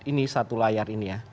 ini satu layar ini ya